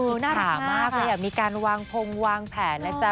อิจฉามากเลยมีการวางพงวางแผนนะจ๊ะ